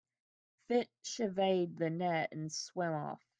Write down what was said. Fish evade the net and swim off.